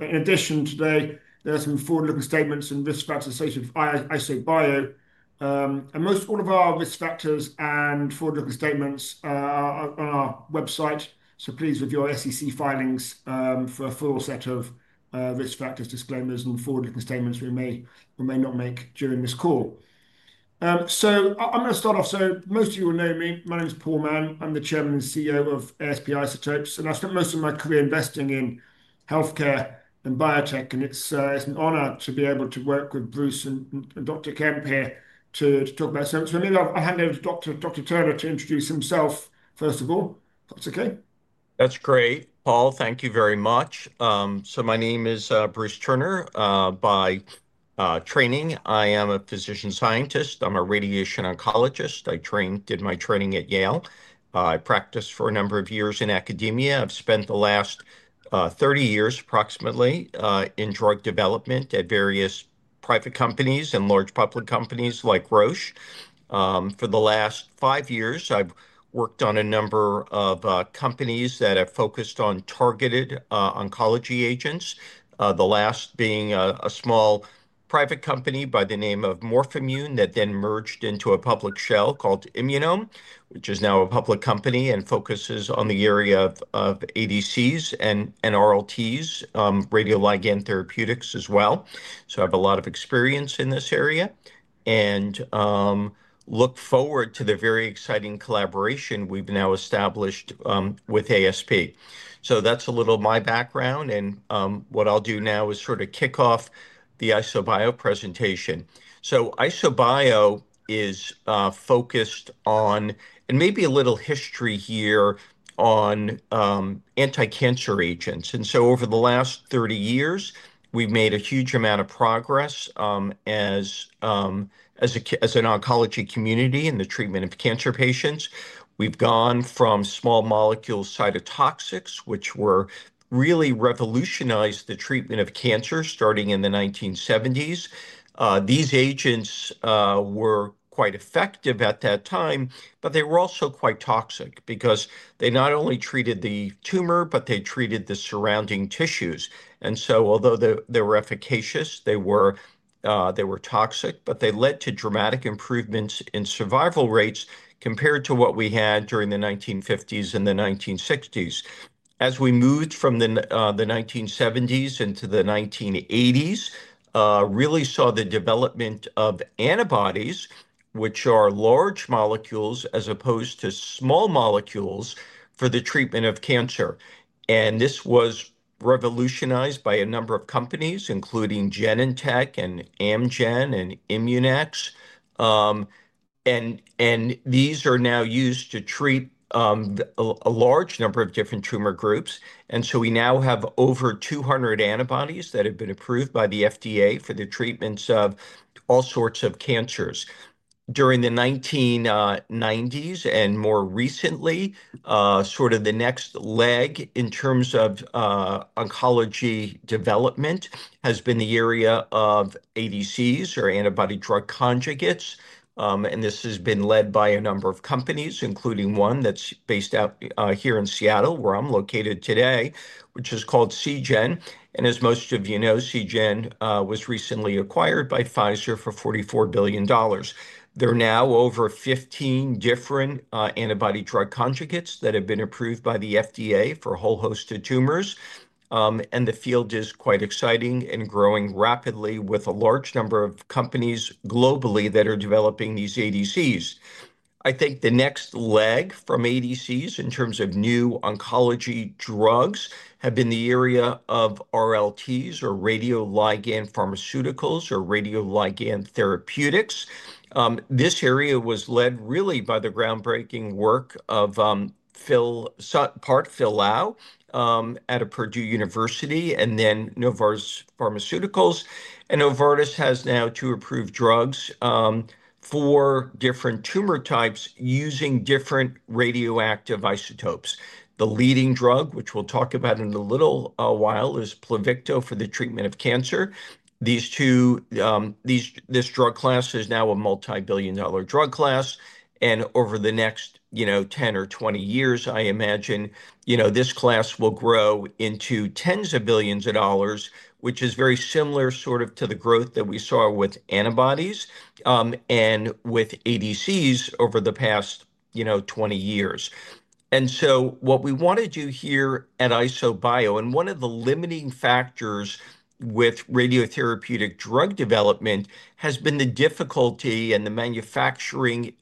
In addition, today, there are some forward-looking statements and risk factors associated with [ASP Isotopes]. Most all of our risk factors and forward-looking statements are on our website. Please review our SEC filings for a full set of risk factors, disclaimers, and forward-looking statements we may or may not make during this call. I'm going to start off. Most of you will know me. My name is Paul Mann. I'm the Chairman and CEO of ASP Isotopes. I've spent most of my career investing in healthcare and biotech, and it's an honor to be able to work with Bruce and Dr. Kemp here to talk about it. Maybe I'll hand over to Dr. Turner to introduce himself first of all, if that's okay. That's great, Paul. Thank you very much. My name is Bruce Turner. By training, I am a physician scientist. I'm a radiation oncologist. I did my training at Yale. I practiced for a number of years in Academia. I've spent the last 30 years approximately in drug development at various private companies and large public companies like Roche. For the last five years, I've worked on a number of companies that have focused on targeted oncology agents, the last being a small private company by the name of MorphImmune that then merged into a public shell called Immunome, which is now a public company and focuses on the area of ADCs and RLTs, radioligand therapeutics as well. I have a lot of experience in this area and look forward to the very exciting collaboration we've now established with ASP. That's a little of my background. What I'll do now is sort of kick off the IsoBio presentation. IsoBio is focused on, and maybe a little history here, on anti-cancer agents. Over the last 30 years, we've made a huge amount of progress as an oncology community in the treatment of cancer patients. We've gone from small molecule cytotoxics, which really revolutionized the treatment of cancer starting in the 1970s. These agents were quite effective at that time, but they were also quite toxic because they not only treated the tumor, but they treated the surrounding tissues. Although they were efficacious, they were toxic, but they led to dramatic improvements in survival rates compared to what we had during the 1950s and the 1960s. As we moved from the 1970s into the 1980s, we really saw the development of antibodies, which are large molecules as opposed to small molecules for the treatment of cancer. This was revolutionized by a number of companies, including Genentech and Amgen and Immunex. These are now used to treat a large number of different tumor groups. We now have over 200 antibodies that have been approved by the FDA for the treatments of all sorts of cancers. During the 1990s and more recently, sort of the next leg in terms of oncology development has been the area of ADCs or antibody-drug conjugates. This has been led by a number of companies, including one that's based out here in Seattle, where I'm located today, which is called Seagen. As most of you know, Seagen was recently acquired by Pfizer for $44 billion. There are now over 15 different antibody-drug conjugates that have been approved by the FDA for a whole host of tumors. The field is quite exciting and growing rapidly with a large number of companies globally that are developing these ADCs. I think the next leg from ADCs in terms of new oncology drugs has been the area of RLTs or radioligand therapeutics. This area was led really by the groundbreaking work of Phil Low at Purdue University and then Novartis. Novartis has now two approved drugs for different tumor types using different radioactive isotopes. The leading drug, which we'll talk about in a little while, is PLUVICTO for the treatment of cancer. This drug class is now a multi-billion dollar drug class. Over the next 10 or 20 years, I imagine this class will grow into tens of billions of dollars, which is very similar to the growth that we saw with antibodies and with ADCs over the past 20 years. What we want to do here at IsoBio, and one of the limiting factors with radiotherapeutic drug development, has been the difficulty and the manufacturing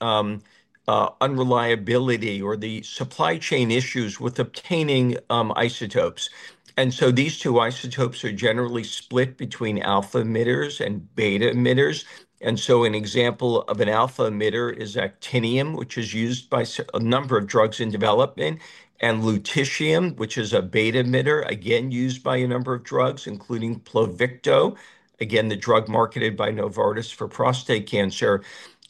unreliability or the supply chain issues with obtaining isotopes. These two isotopes are generally split between alpha emitters and beta emitters. An example of an alpha emitter is actinium, which is used by a number of drugs in development, and lutetium, which is a beta emitter, again used by a number of drugs, including PLUVICTO, again the drug marketed by Novartis for prostate cancer.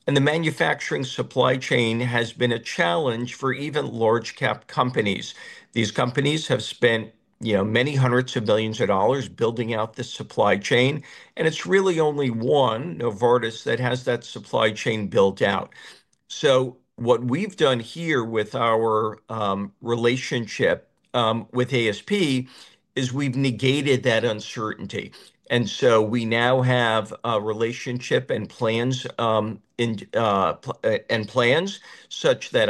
The manufacturing supply chain has been a challenge for even large-cap companies. These companies have spent many hundreds of billions of dollars building out the supply chain, and it's really only one, Novartis, that has that supply chain built out. What we've done here with our relationship with ASP is we've negated that uncertainty. We now have a relationship and plans such that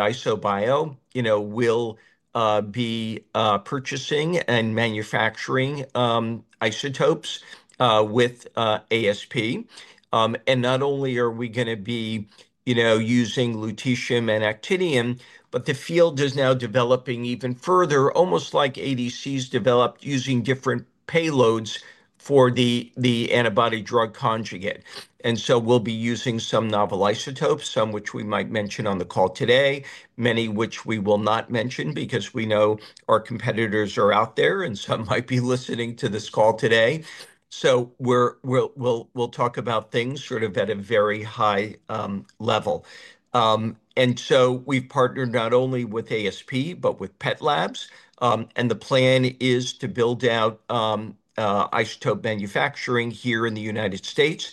IsoBio will be purchasing and manufacturing isotopes with ASP. Not only are we going to be using lutetium and actinium, but the field is now developing even further, almost like ADCs developed using different payloads for the antibody-drug conjugate. We'll be using some novel isotopes, some which we might mention on the call today, many which we will not mention because we know our competitors are out there and some might be listening to this call today. We'll talk about things at a very high level. We've partnered not only with ASP, but with PET Labs. The plan is to build out isotope manufacturing here in the United States.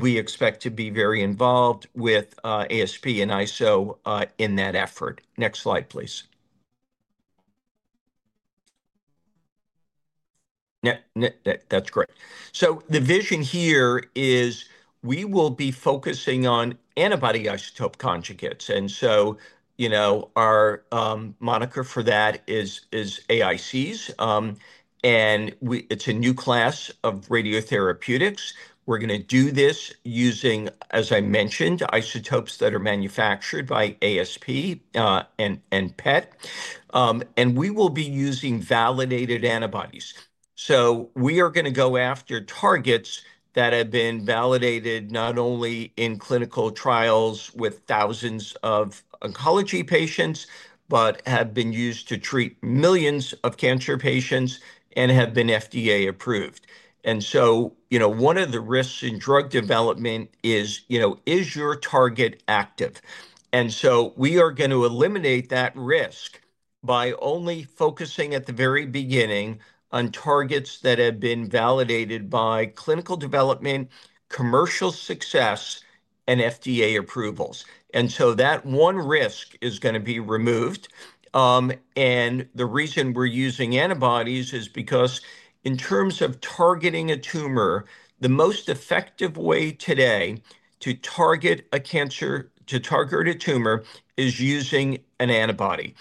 We expect to be very involved with ASP and Iso in that effort. Next slide, please. That's great. The vision here is we will be focusing on antibody-isotope conjugates. Our moniker for that is AICs, and it's a new class of radiotherapeutics. We're going to do this using, as I mentioned, isotopes that are manufactured by ASP and PET. We will be using validated antibodies. We are going to go after targets that have been validated not only in clinical trials with thousands of oncology patients, but have been used to treat millions of cancer patients and have been FDA approved. One of the risks in drug development is, you know, is your target active? We are going to eliminate that risk by only focusing at the very beginning on targets that have been validated by clinical development, commercial success, and FDA approvals. That one risk is going to be removed. The reason we're using antibodies is because in terms of targeting a tumor, the most effective way today to target a cancer, to target a tumor, is using an antibody.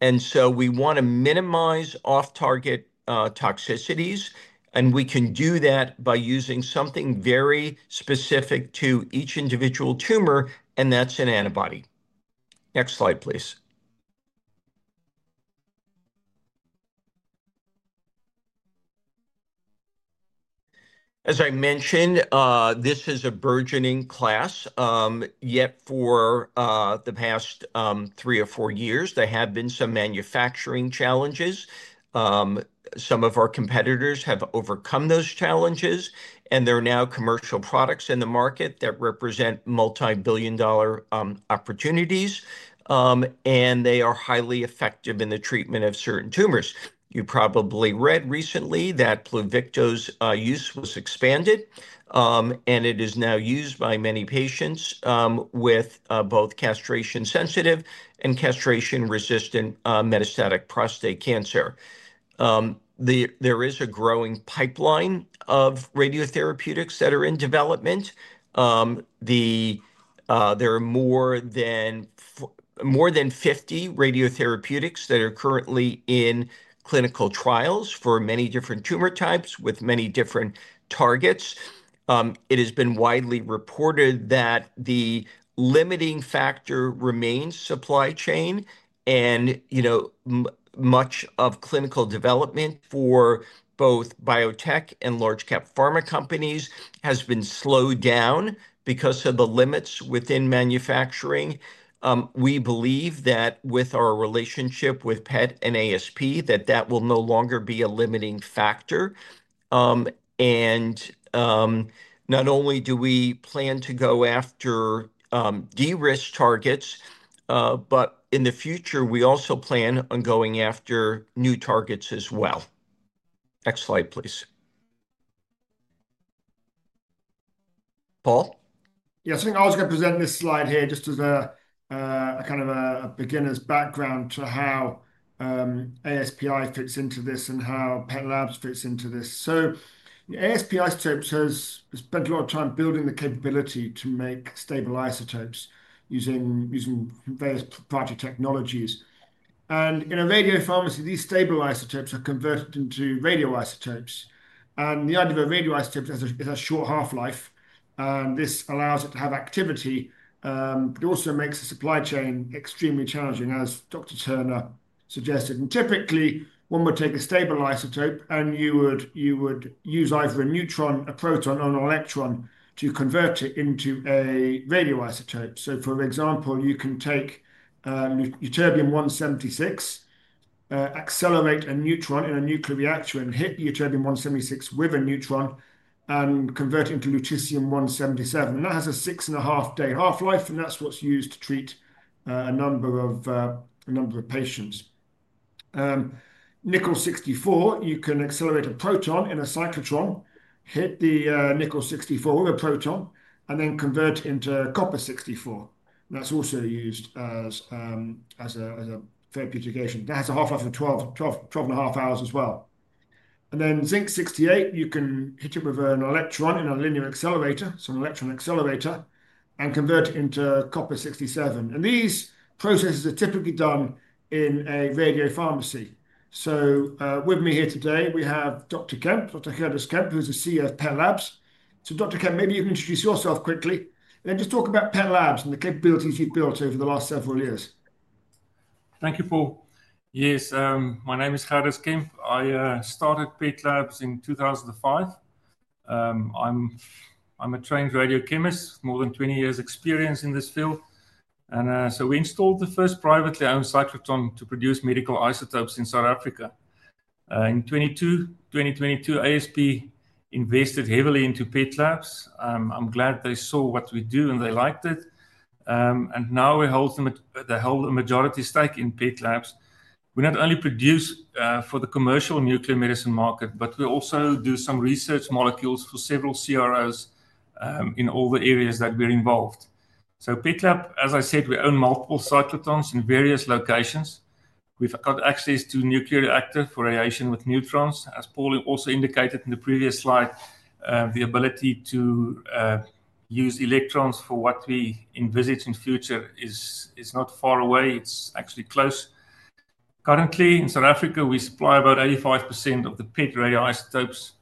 We want to minimize off-target toxicities, and we can do that by using something very specific to each individual tumor, and that's an antibody. Next slide, please. As I mentioned, this is a burgeoning class. Yet for the past three or four years, there have been some manufacturing challenges. Some of our competitors have overcome those challenges, and there are now commercial products in the market that represent multi-billion dollar opportunities. They are highly effective in the treatment of certain tumors. You probably read recently that PLUVICTO's use was expanded, and it is now used by many patients with both castration-sensitive and castration-resistant metastatic prostate cancer. There is a growing pipeline of radiotherapeutics that are in development. There are more than 50 radiotherapeutics that are currently in clinical trials for many different tumor types with many different targets. It has been widely reported that the limiting factor remains supply chain. Much of clinical development for both biotech and large-cap pharma companies has been slowed down because of the limits within manufacturing. We believe that with our relationship with PET and ASP, that will no longer be a limiting factor. We not only plan to go after de-risk targets, but in the future, we also plan on going after new targets as well. Next slide, please. Paul? Yeah, I think I was going to present this slide here just as a kind of a beginner's background to how [ASPI] fits into this and how PET Labs fits into this. ASP Isotopes has spent a lot of time building the capability to make stable isotopes using various proprietary technologies. In a radiopharmacy, these stable isotopes are converted into radioisotopes. The idea of a radioisotope is a short half-life. This allows it to have activity, but it also makes the supply chain extremely challenging, as Dr. Turner suggested. Typically, one would take a stable isotope, and you would use either a neutron, a proton, or an electron to convert it into a radioisotope. For example, you can take Ytterbium-176, accelerate a neutron in a nuclear reactor, and hit Ytterbium-176 with a neutron and convert it into lutetium-177. That has a six and a half day half-life, and that's what's used to treat a number of patients. Nickel-64, you can accelerate a proton in a cyclotron, hit the Nickel-64 with a proton, and then convert it into Copper-64. That's also used as a therapeutic agent. That has a half-life of 12.5 hours as well. Zinc-68, you can hit it with an electron in a linear accelerator, so an electron accelerator, and convert it into Copper-67. These processes are typically done in a radiopharmacy. With me here today, we have Dr. Kemp, who's the CEO of PET Labs. Dr. Kemp, maybe you can introduce yourself quickly and then just talk about PET Labs and the capabilities you've built over the last several years. Thank you, Paul. Yes, my name is Heather Kemp. I started PET Labs in 2005. I'm a trained radiochemist, more than 20 years experience in this field. We installed the first privately owned cyclotron to produce medical isotopes in South Africa. In 2022, ASP invested heavily into PET Labs. I'm glad they saw what we do and they liked it. Now they hold a majority stake in PET Labs. We not only produce for the commercial nuclear medicine market, we also do some research molecules for several CROs in all the areas that we're involved. PET Labs, as I said, we own multiple cyclotrons in various locations. We've got access to nuclear reactor for irradiation with neutrons. As Paul also indicated in the previous slide, the ability to use electrons for what we envisage in the future is not far away. It's actually close. Currently, in South Africa, we supply about 85% of the PET radioisotopes,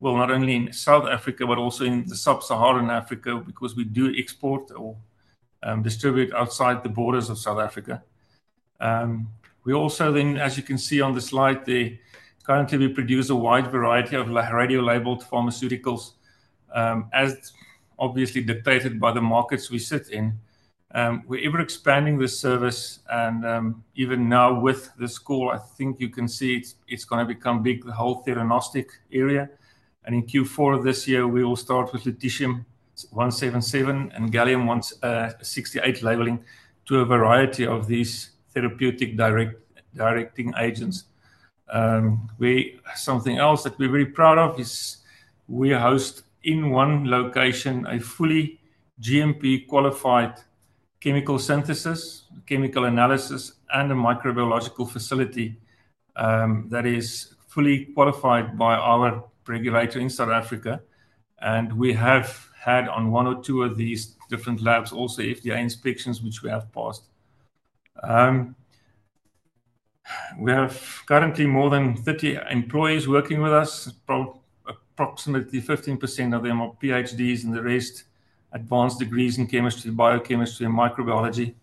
not only in South Africa but also in Sub-Saharan Africa because we do export or distribute outside the borders of South Africa. As you can see on the slide, currently we produce a wide variety of radiolabeled pharmaceuticals, as obviously dictated by the markets we sit in. We're ever expanding this service. Even now with this call, I think you can see it's going to become big, the whole theranostic area. In Q4 of this year, we will start with lutetium-177 and Gallium-68 labeling to a variety of these therapeutic directing agents. Something else that we're very proud of is we host in one location a fully GMP qualified chemical synthesis, chemical analysis, and a microbiological facility that is fully qualified by our regulator in South Africa. We have had on one or two of these different labs also FDA inspections, which we have passed. We have currently more than 30 employees working with us. Probably approximately 15% of them are PhDs and the rest advanced degrees in chemistry, biochemistry, and microbiology.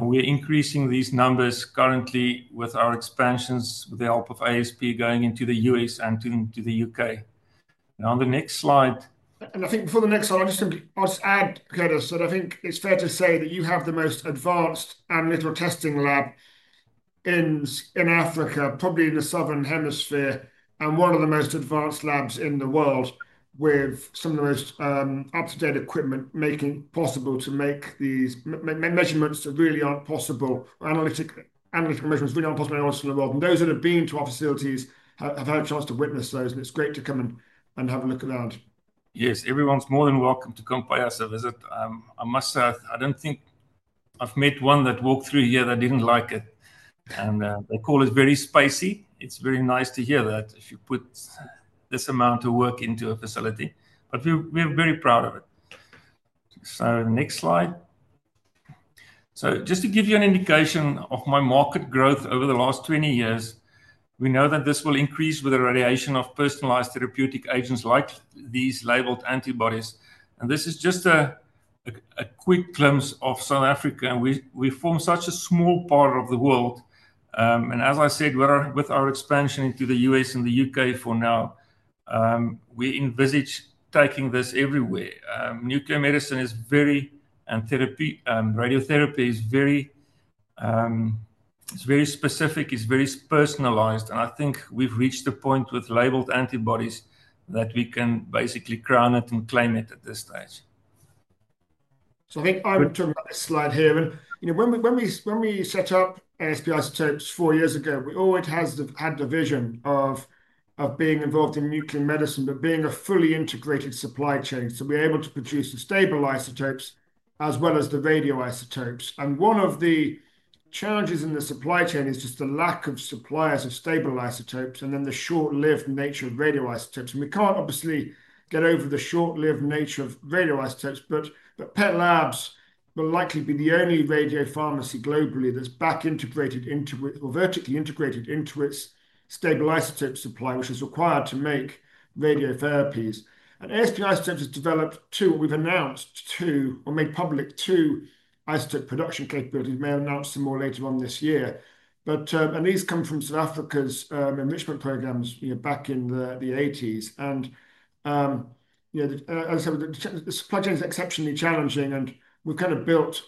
We're increasing these numbers currently with our expansions with the help of ASP going into the U.S. and into the U.K.. On the next slide. I think before the next slide, I'll just add, Gerdus, that I think it's fair to say that you have the most advanced analytical testing lab in Africa, probably in the Southern Hemisphere, and one of the most advanced labs in the world with some of the most up-to-date equipment, making it possible to make these measurements that really aren't possible, or analytical measurements really aren't possible in the world. Those that have been to our facilities have had a chance to witness those, and it's great to come and have a look around. Yes, everyone's more than welcome to come by us and visit. I must say, I don't think I've met one that walked through here that didn't like it. The call is very spicy. It's very nice to hear that if you put this amount of work into a facility. We're very proud of it. Next slide. Just to give you an indication of my market growth over the last 20 years, we know that this will increase with the radiation of personalized therapeutic agents like these labeled antibodies. This is just a quick glimpse of South Africa. We form such a small part of the world. As I said, with our expansion into the U.S. and the U.K. for now, we envisage taking this everywhere. Nuclear medicine is very, and radiotherapy is very, it's very specific, it's very personalized. I think we've reached the point with labeled antibodies that we can basically crown it and claim it at this stage. I think I've been talking about this slide here. You know, when we set up ASP Isotopes four years ago, we always had the vision of being involved in nuclear medicine, but being a fully integrated supply chain to be able to produce the stable isotopes as well as the radioisotopes. One of the challenges in the supply chain is just the lack of suppliers of stable isotopes and then the short-lived nature of radioisotopes. We can't obviously get over the short-lived nature of radioisotopes. PET Labs will likely be the only radiopharmacy globally that's back integrated into it or vertically integrated into its stable isotope supply, which is required to make radiotherapies. ASP Isotopes has developed two, what we've announced two, or made public two isotope production capabilities. We may announce some more later on this year. These come from South Africa's enrichment programs back in the 1980s. As I said, the supply chain is exceptionally challenging. We've kind of built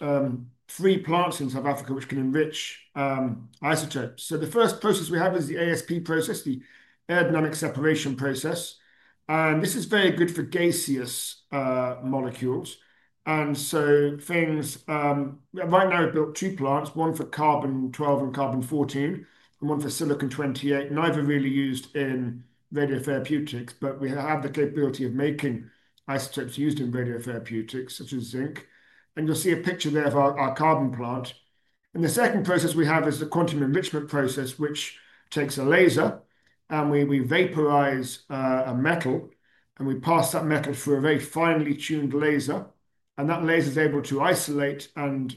three plants in South Africa which can enrich isotopes. The first process we have is the ASP process, the Aerodynamic Separation Process. This is very good for gaseous molecules. Right now we've built two plants, one for carbon-12 and carbon-14, and one for silicon-28, neither really used in radiotherapeutics, but we have the capability of making isotopes used in radiotherapeutics, such as zinc. You'll see a picture there of our carbon plant. The second process we have is the Quantum Enrichment Process, which takes a laser and we vaporize a metal, and we pass that metal through a very finely tuned laser. That laser is able to isolate and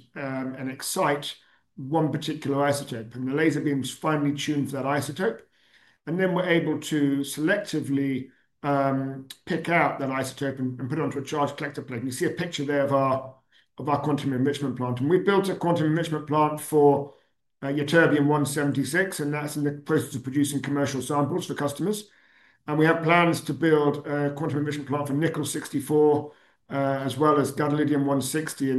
excite one particular isotope. The laser beams finely tune for that isotope. Then we're able to selectively pick out that isotope and put it onto a charge collector plate. You see a picture there of our quantum enrichment plant. We built a quantum enrichment plant for Ytterbium-176, and that's in the process of producing commercial samples for customers. We have plans to build a quantum enrichment plant for Nickel-64 as well as Gadolinium-160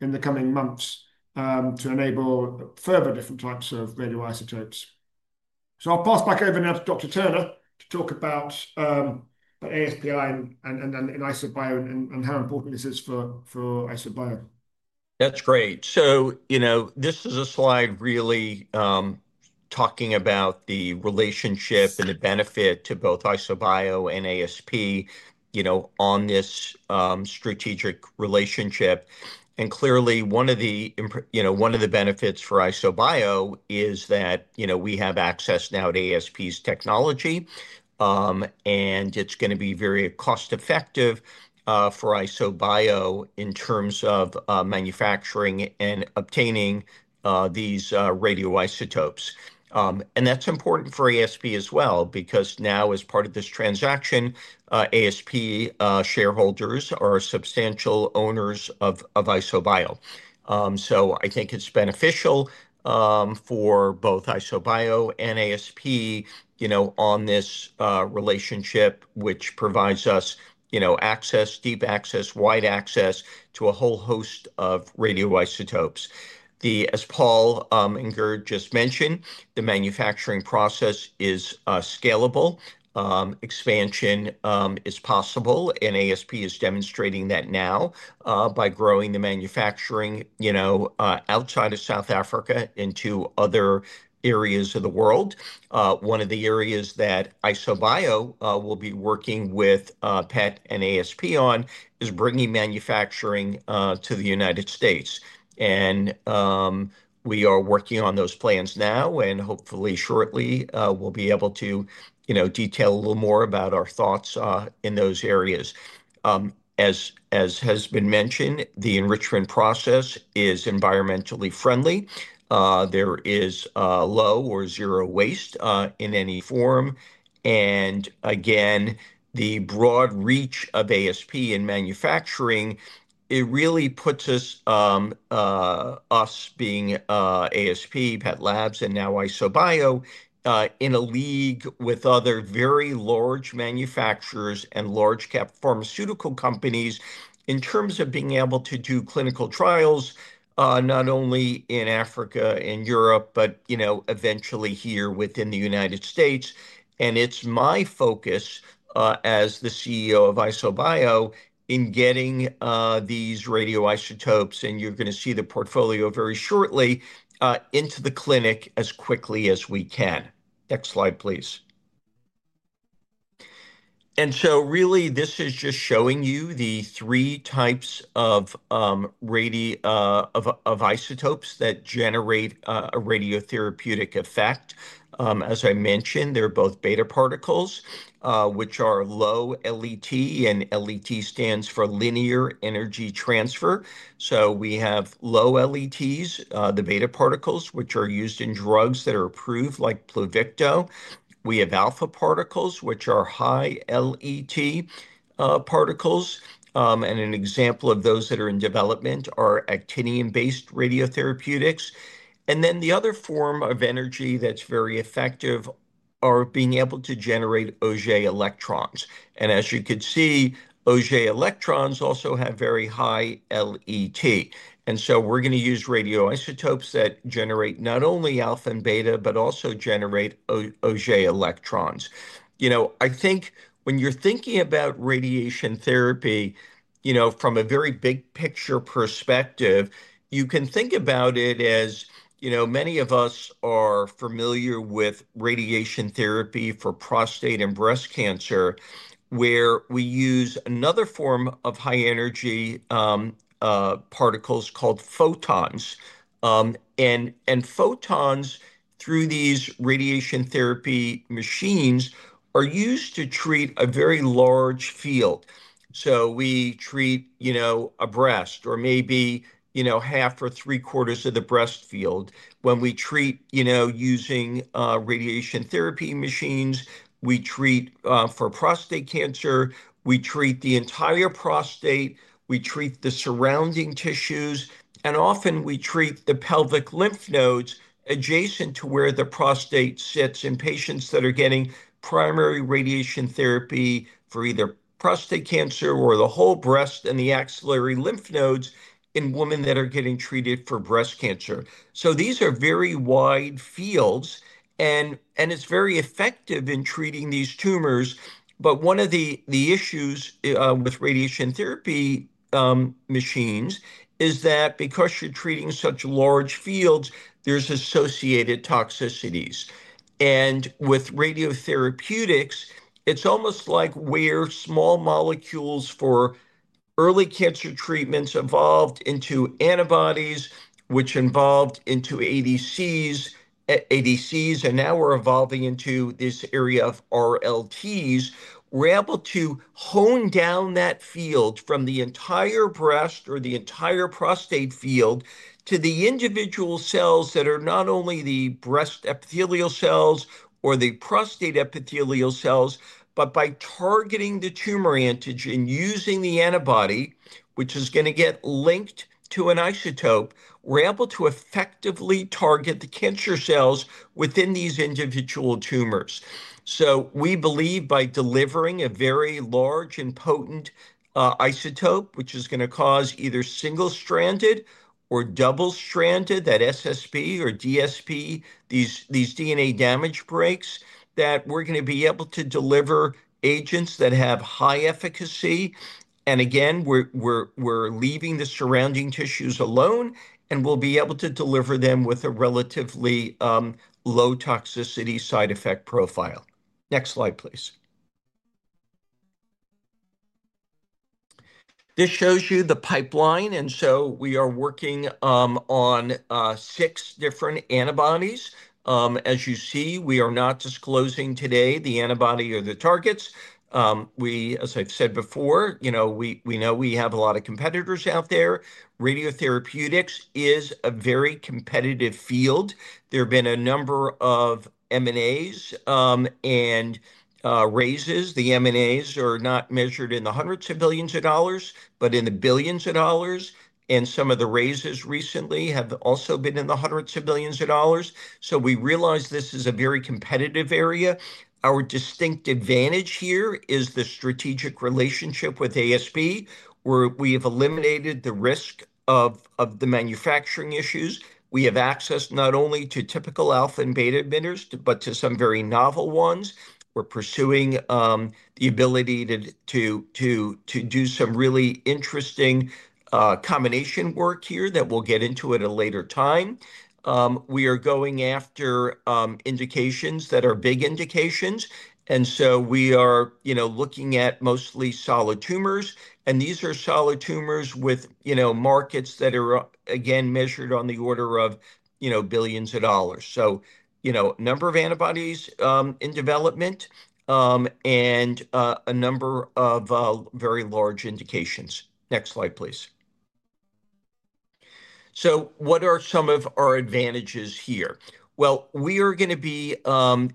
in the coming months to enable further different types of radioisotopes. I'll pass back over now to Dr. Turner to talk about ASP Isotopes and IsoBio and how important this is for IsoBio. That's great. This is a slide really talking about the relationship and the benefit to both IsoBio and ASP on this strategic relationship. Clearly, one of the benefits for IsoBio is that we have access now to ASP's technology. It's going to be very cost-effective for IsoBio in terms of manufacturing and obtaining these radioisotopes. That's important for ASP as well because now, as part of this transaction, ASP shareholders are substantial owners of IsoBio. I think it's beneficial for both IsoBio and ASP on this relationship, which provides us access, deep access, wide access to a whole host of radioisotopes. As Paul and Gerd just mentioned, the manufacturing process is scalable. Expansion is possible. ASP is demonstrating that now by growing the manufacturing outside of South Africa into other areas of the world. One of the areas that IsoBio will be working with PET and ASP on is bringing manufacturing to the United States. We are working on those plans now. Hopefully shortly, we'll be able to detail a little more about our thoughts in those areas. As has been mentioned, the enrichment process is environmentally friendly. There is low or zero waste in any form. The broad reach of ASP in manufacturing really puts us, us being ASP, PET Labs, and now IsoBio, in a league with other very large manufacturers and large-cap pharmaceutical companies in terms of being able to do clinical trials, not only in Africa and Europe, but eventually here within the United States. It's my focus as the CEO of IsoBio in getting these radioisotopes. You're going to see the portfolio very shortly into the clinic as quickly as we can. Next slide, please. This is just showing you the three types of isotopes that generate a radiotherapeutic effect. As I mentioned, there are both beta particles, which are low LET. LET stands for linear energy transfer. We have low LETs, the beta particles, which are used in drugs that are approved like PLUVICTO. We have alpha particles, which are high LET particles. An example of those that are in development are actinium-based radiotherapeutics. The other form of energy that's very effective is being able to generate Auger electrons. As you can see, Auger electrons also have very high LET. We are going to use radioisotopes that generate not only alpha and beta, but also generate Auger electrons. I think when you're thinking about radiation therapy, from a very big picture perspective, you can think about it as, you know, many of us are familiar with radiation therapy for prostate and breast cancer, where we use another form of high energy particles called photons. Photons, through these radiation therapy machines, are used to treat a very large field. We treat a breast or maybe half or three quarters of the breast field. When we treat using radiation therapy machines, we treat for prostate cancer, we treat the entire prostate, we treat the surrounding tissues, and often we treat the pelvic lymph nodes adjacent to where the prostate sits in patients that are getting primary radiation therapy for either prostate cancer or the whole breast and the axillary lymph nodes in women that are getting treated for breast cancer. These are very wide fields, and it's very effective in treating these tumors. One of the issues with radiation therapy machines is that because you're treating such large fields, there's associated toxicities. With radiotherapeutics, it's almost like where small molecules for early cancer treatments evolved into antibodies, which evolved into ADCs, and now we're evolving into this area of RLTs. We're able to hone down that field from the entire breast or the entire prostate field to the individual cells that are not only the breast epithelial cells or the prostate epithelial cells, but by targeting the tumor antigen using the antibody, which is going to get linked to an isotope, we're able to effectively target the cancer cells within these individual tumors. We believe by delivering a very large and potent isotope, which is going to cause either single-stranded or double-stranded, that SSB or DSB, these DNA damage breaks, that we're going to be able to deliver agents that have high efficacy. Again, we're leaving the surrounding tissues alone, and we'll be able to deliver them with a relatively low toxicity side effect profile. Next slide, please. This shows you the pipeline. We are working on six different antibodies. As you see, we are not disclosing today the antibody or the targets. As I've said before, we know we have a lot of competitors out there. Radiotherapeutics is a very competitive field. There have been a number of M&As and raises. The M&As are not measured in the hundreds of billions of dollars, but in the billions of dollars. Some of the raises recently have also been in the hundreds of billions of dollars. We realize this is a very competitive area. Our distinct advantage here is the strategic relationship with ASP, where we have eliminated the risk of the manufacturing issues. We have access not only to typical alpha and beta emitters, but to some very novel ones. We're pursuing the ability to do some really interesting combination work here that we'll get into at a later time. We are going after indications that are big indications. We are looking at mostly solid tumors. These are solid tumors with markets that are, again, measured on the order of billions of dollars. A number of antibodies in development and a number of very large indications. Next slide, please. What are some of our advantages here? We are going to be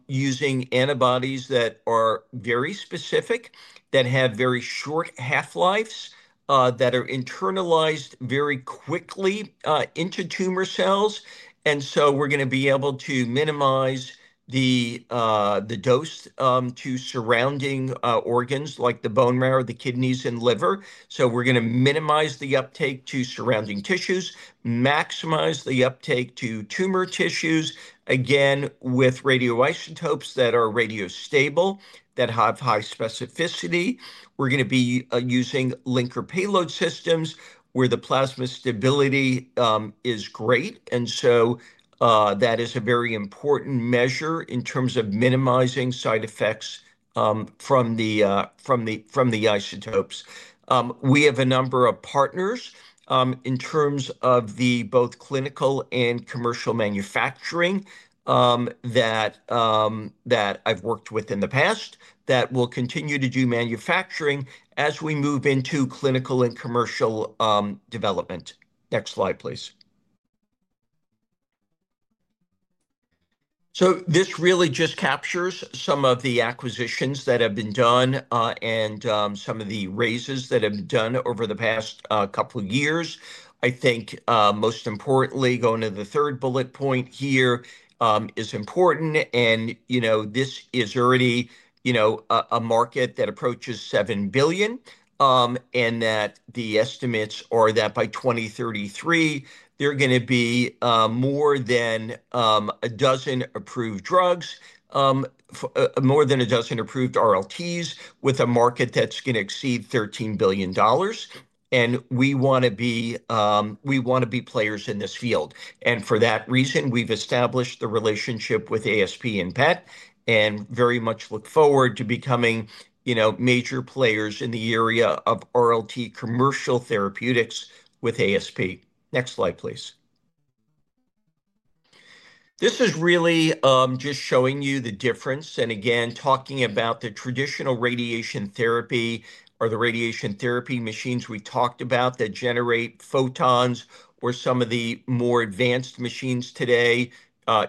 using antibodies that are very specific, that have very short half-lives, that are internalized very quickly into tumor cells. We are going to be able to minimize the dose to surrounding organs like the bone marrow, the kidneys, and liver. We are going to minimize the uptake to surrounding tissues, maximize the uptake to tumor tissues, again, with radioisotopes that are radio stable, that have high specificity. We are going to be using linker payload systems where the plasma stability is great. That is a very important measure in terms of minimizing side effects from the isotopes. We have a number of partners in terms of both clinical and commercial manufacturing that I've worked with in the past that will continue to do manufacturing as we move into clinical and commercial development. Next slide, please. This really just captures some of the acquisitions that have been done and some of the raises that have been done over the past couple of years. I think most importantly, going to the third bullet point here is important. You know this is already a market that approaches $7 billion and that the estimates are that by 2033, there are going to be more than a dozen approved drugs, more than a dozen approved RLTs with a market that's going to exceed $13 billion. We want to be players in this field. For that reason, we've established the relationship with ASP and PET and very much look forward to becoming major players in the area of RLT commercial therapeutics with ASP. Next slide, please. This is really just showing you the difference. Again, talking about the traditional radiation therapy or the radiation therapy machines we talked about that generate photons or some of the more advanced machines today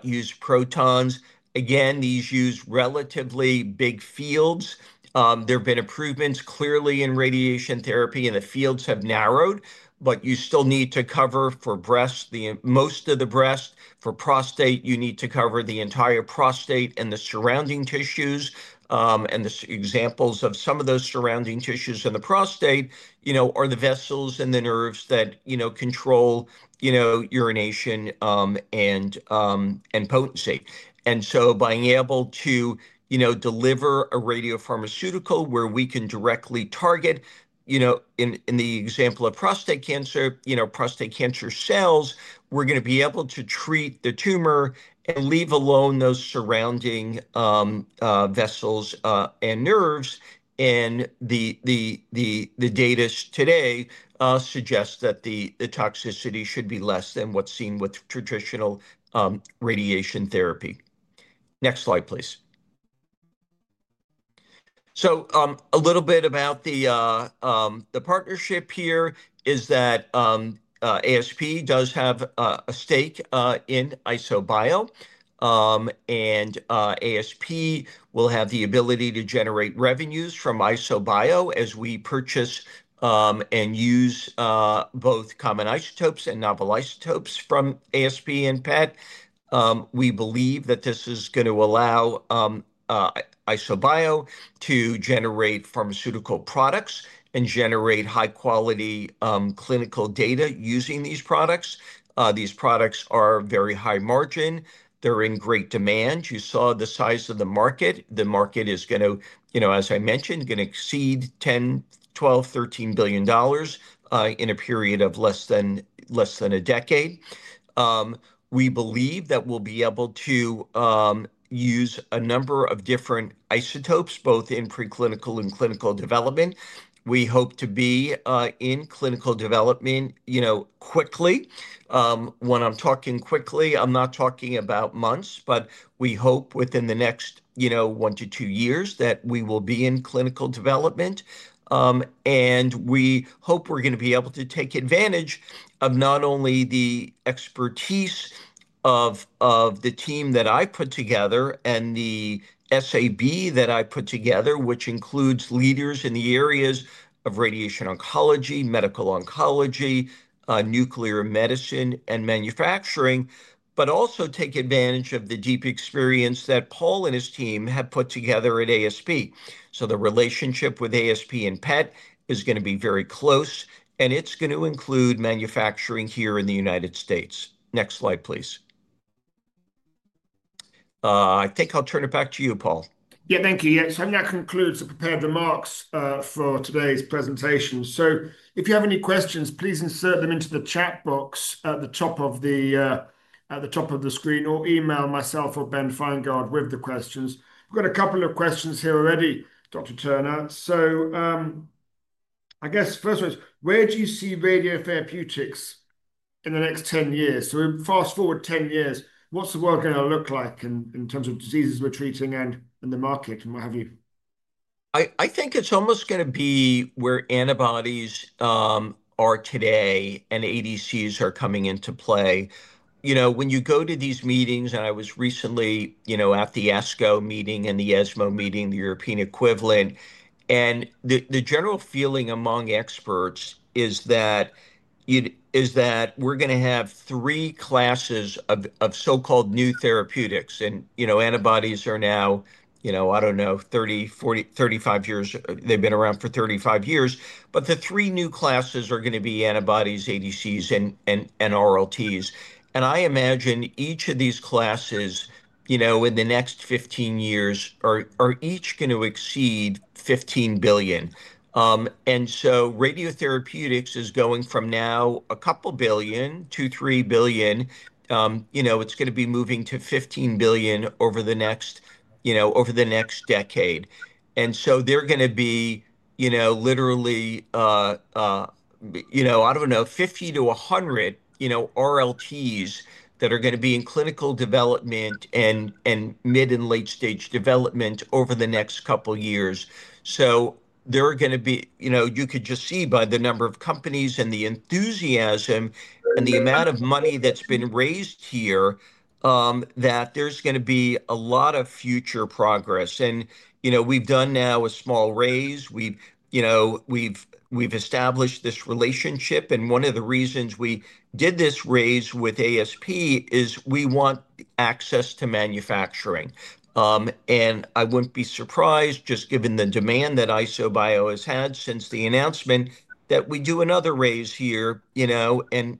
use protons. These use relatively big fields. There have been improvements clearly in radiation therapy, and the fields have narrowed, but you still need to cover for breast most of the breast. For prostate, you need to cover the entire prostate and the surrounding tissues. The examples of some of those surrounding tissues in the prostate are the vessels and the nerves that control urination and potency. By being able to deliver a radiopharmaceutical where we can directly target, in the example of prostate cancer, prostate cancer cells, we're going to be able to treat the tumor and leave alone those surrounding vessels and nerves. The data today suggests that the toxicity should be less than what's seen with traditional radiation therapy. Next slide, please. A little bit about the partnership here is that ASP does have a stake in IsoBio. ASP will have the ability to generate revenues from IsoBio as we purchase and use both common isotopes and novel isotopes from ASP and PET. We believe that this is going to allow IsoBio to generate pharmaceutical products and generate high-quality clinical data using these products. These products are very high margin. They're in great demand. You saw the size of the market. The market is going to, as I mentioned, exceed $10 billion, $12 billion, $13 billion in a period of less than a decade. We believe that we'll be able to use a number of different isotopes, both in preclinical and clinical development. We hope to be in clinical development quickly. When I'm talking quickly, I'm not talking about months, but we hope within the next one to two years that we will be in clinical development. We hope we're going to be able to take advantage of not only the expertise of the team that I put together and the SAB that I put together, which includes leaders in the areas of radiation oncology, medical oncology, nuclear medicine, and manufacturing, but also take advantage of the deep experience that Paul and his team have put together at ASP. The relationship with ASP and PET is going to be very close, and it's going to include manufacturing here in the United States. Next slide, please. I think I'll turn it back to you, Paul. Thank you. I'm going to conclude the prepared remarks for today's presentation. If you have any questions, please insert them into the chat box at the top of the screen or email myself or [Ben Feingard] with the questions. We've got a couple of questions here already, Dr. Turner. The first one is, where do you see radiotherapeutics in the next 10 years? We fast forward 10 years. What's the world going to look like in terms of diseases we're treating and the market and what have you? I think it's almost going to be where antibodies are today and ADCs are coming into play. When you go to these meetings, and I was recently at the ASCO meeting and the ESMO meeting, the European equivalent, the general feeling among experts is that we're going to have three classes of so-called new therapeutics. Antibodies are now, I don't know, 30 years, 40 years, 35 years. They've been around for 35 years. The three new classes are going to be antibodies, ADCs, and RLTs. I imagine each of these classes in the next 15 years are each going to exceed 15 billion. Radiotherapeutics is going from now a couple billion, two, three billion. It's going to be moving to 15 billion over the next decade. There are going to be literally, I don't know, 50 to 100 RLTs that are going to be in clinical development and mid and late-stage development over the next couple of years. You could just see by the number of companies and the enthusiasm and the amount of money that's been raised here that there's going to be a lot of future progress. We've done now a small raise. We've established this relationship. One of the reasons we did this raise with ASP is we want access to manufacturing. I wouldn't be surprised, just given the demand that IsoBio has had since the announcement, that we do another raise here and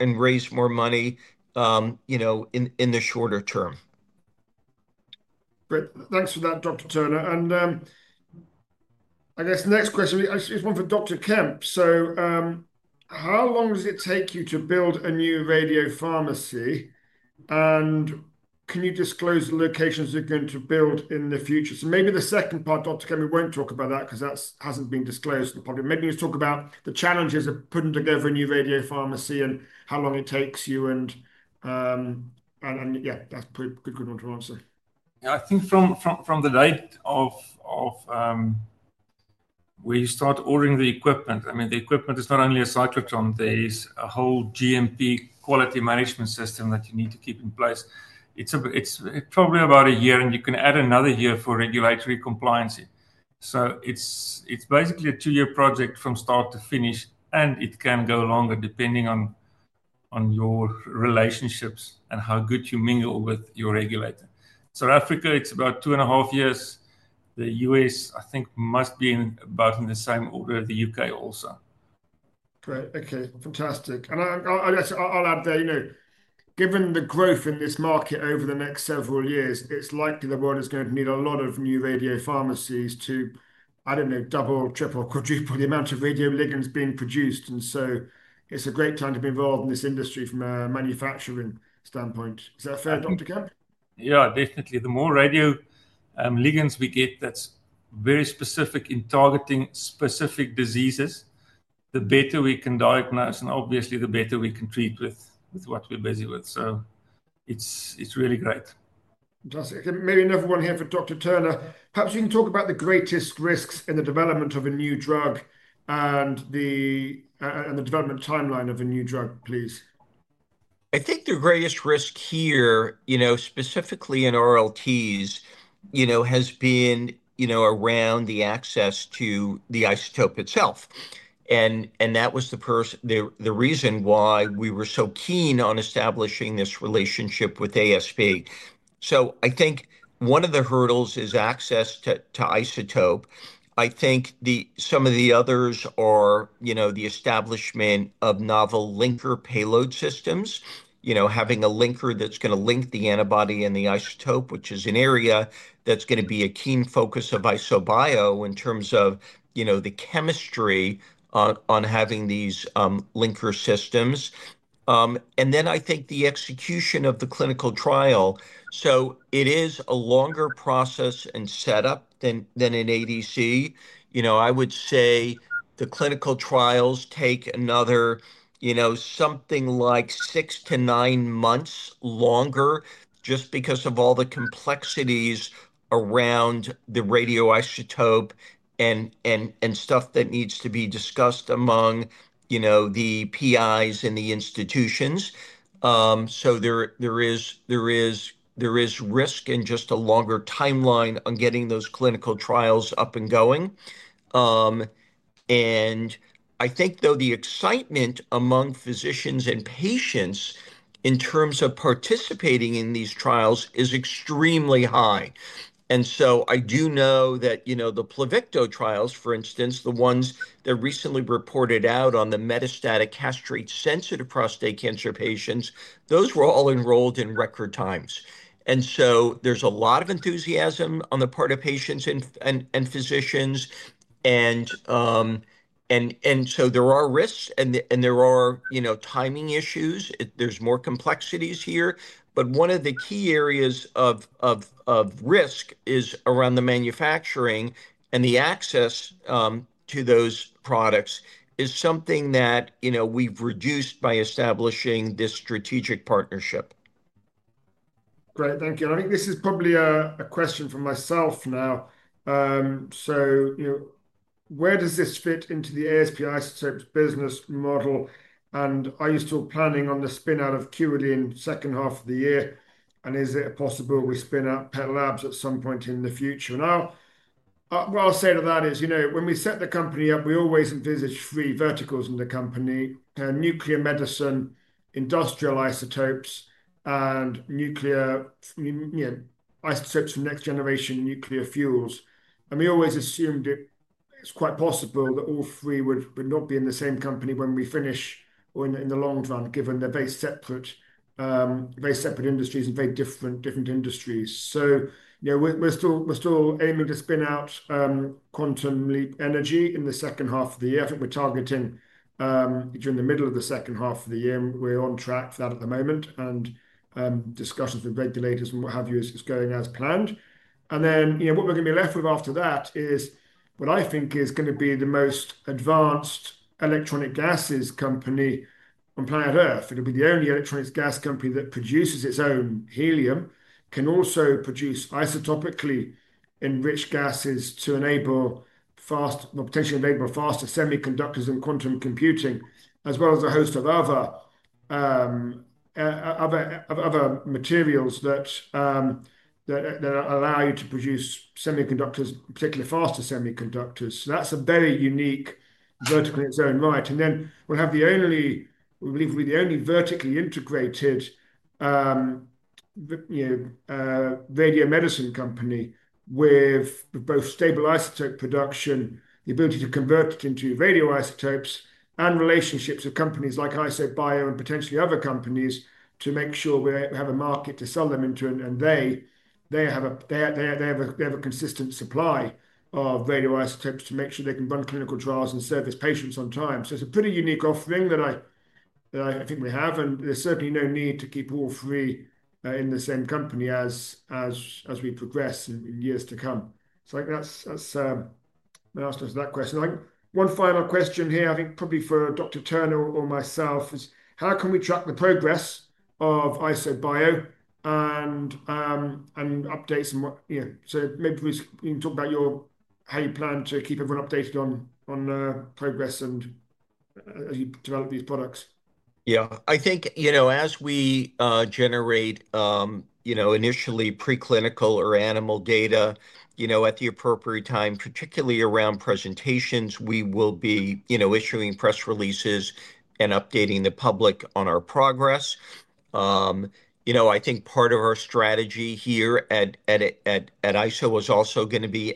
raise more money in the shorter term. Great. Thanks for that, Dr. Turner. I guess the next question is one for Dr. Kemp. How long does it take you to build a new radiopharmacy? Can you disclose the locations you're going to build in the future? Maybe the second part, Dr. Kemp, we won't talk about that because that hasn't been disclosed to the public. Let's talk about the challenges of putting together a new radiopharmacy and how long it takes you. Yeah, that's a pretty good one to answer. I think from the date of where you start ordering the equipment, the equipment is not only a cyclotron. There's a whole GMP quality management system that you need to keep in place. It's probably about a year, and you can add another year for regulatory compliance. It's basically a two-year project from start to finish, and it can go longer depending on your relationships and how good you mingle with your regulator. South Africa, it's about two and a half years. The U.S., I think, must be about in the same order. The U.K. also. Great. OK, fantastic. I'll add there, you know, given the growth in this market over the next several years, it's likely the world is going to need a lot of new radiopharmacies to, I don't know, double, triple, quadruple the amount of radioligands being produced. It's a great time to be involved in this industry from a manufacturing standpoint. Is that fair, Dr. Kemp? Yeah, definitely. The more radioligands we get that are very specific in targeting specific diseases, the better we can diagnose, and obviously, the better we can treat with what we're busy with. It's really great. Fantastic. Maybe another one here for Dr. Turner. Perhaps you can talk about the greatest risks in the development of a new drug and the development timeline of a new drug, please. I think the greatest risk here, specifically in RLTs, has been around the access to the isotope itself. That was the reason why we were so keen on establishing this relationship with ASP. I think one of the hurdles is access to isotope. I think some of the others are the establishment of novel linker payload systems, having a linker that's going to link the antibody and the isotope, which is an area that's going to be a keen focus of IsoBio in terms of the chemistry on having these linker systems. I think the execution of the clinical trial is also a hurdle. It is a longer process and setup than an ADC. I would say the clinical trials take another six to nine months longer just because of all the complexities around the radioisotope and stuff that needs to be discussed among the PIs and the institutions. There is risk and just a longer timeline on getting those clinical trials up and going. I think the excitement among physicians and patients in terms of participating in these trials is extremely high. I do know that the PLUVICTO trials, for instance, the ones that recently reported out on the metastatic castrate-sensitive prostate cancer patients, those were all enrolled in record times. There is a lot of enthusiasm on the part of patients and physicians. There are risks, and there are timing issues. There are more complexities here. One of the key areas of risk is around the manufacturing, and the access to those products is something that we've reduced by establishing this strategic partnership. Great. Thank you. I think this is probably a question for myself now. Where does this fit into the ASP Isotopes business model? Are you still planning on the spin-out of [Quantum] in the second half of the year? Is it possible we spin out PET Labs at some point in the future? When we set the company up, we always envisaged three verticals in the company: nuclear medicine, industrial isotopes, and nuclear isotopes from next-generation nuclear fuels. We always assumed it's quite possible that all three would not be in the same company when we finish or in the long run, given they're very separate industries and very different industries. We're still aiming to spin out Quantum Leap Energy in the second half of the year. I think we're targeting during the middle of the second half of the year. We're on track for that at the moment. Discussions with regulators and what have you is going as planned. What we're going to be left with after that is what I think is going to be the most advanced electronic gases company on planet Earth. It'll be the only electronics gas company that produces its own helium, can also produce isotopically enriched gases to enable fast, well, potentially enable faster semiconductors and quantum computing, as well as a host of other materials that allow you to produce semiconductors, particularly faster semiconductors. That's a very unique vertical in its own right. We'll have the only, we believe we'll be the only vertically integrated radiomedicine company with both stable isotope production, the ability to convert it into radioisotopes, and relationships with companies like IsoBio and potentially other companies to make sure we have a market to sell them into. They have a consistent supply of radioisotopes to make sure they can run clinical trials and service patients on time. It's a pretty unique offering that I think we have. There's certainly no need to keep all three in the same company as we progress in years to come. I think that's my answer to that question. I think one final question here, probably for Dr. Turner or myself, is how can we track the progress of IsoBio and updates? Maybe please you can talk about how you plan to keep everyone updated on progress and as you develop these products. Yeah, I think as we generate, you know, initially preclinical or animal data, at the appropriate time, particularly around presentations, we will be issuing press releases and updating the public on our progress. I think part of our strategy here at Isotopes is also going to be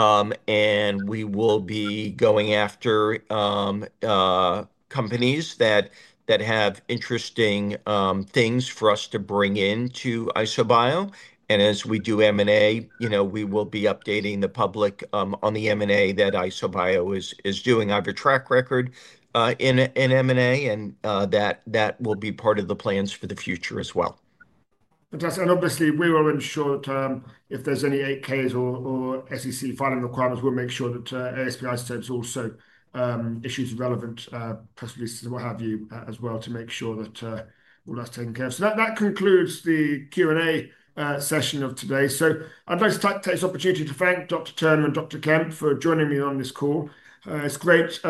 M&A. We will be going after companies that have interesting things for us to bring into IsoBio. As we do M&A, we will be updating the public on the M&A that IsoBio is doing. I have a track record in M&A, and that will be part of the plans for the future as well. Fantastic. Obviously, we will ensure that if there's any 8-Ks or SEC filing requirements, we'll make sure that ASP Isotopes also issues relevant press releases and what have you as well to make sure that all that's taken care of. That concludes the Q&A session of today. I'd like to take this opportunity to thank Dr. Turner and Dr. Kemp for joining me on this call. It's great just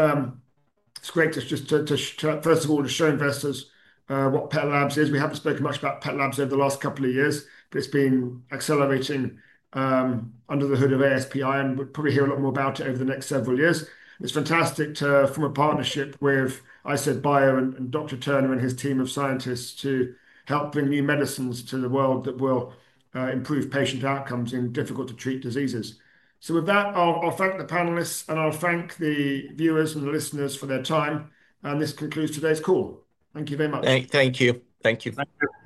to, first of all, show investors what PET Labs is. We haven't spoken much about PET Labs over the last couple of years, but it's been accelerating under the hood of [ASPI]. We'll probably hear a lot more about it over the next several years. It's fantastic to form a partnership with IsoBio and Dr. Turner and his team of scientists to help bring new medicines to the world that will improve patient outcomes in difficult-to-treat diseases. With that, I'll thank the panelists, and I'll thank the viewers and the listeners for their time. This concludes today's call. Thank you very much. Thank you. Thank you. Thank you.